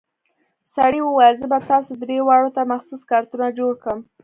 سړي وويل زه به تاسو درې واړو ته مخصوص کارتونه جوړ کم.